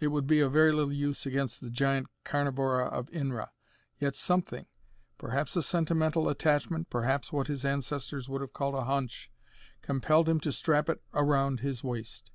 It would be of very little use against the giant Carnivora of Inra. Yet something perhaps a sentimental attachment, perhaps what his ancestors would have called a "hunch" compelled him to strap it around his waist.